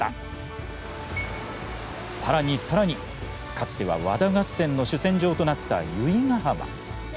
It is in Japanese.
更に更にかつては和田合戦の主戦場となった由比ヶ浜。